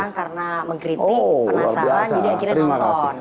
orang karena mengkritik penasaran jadi akhirnya nonton